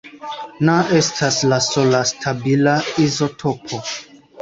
Na estas la sola stabila izotopo.